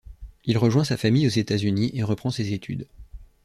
Il rejoint sa famille aux États-Unis et reprend ses études.